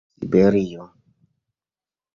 siberio